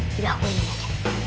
tidak aku yang ingin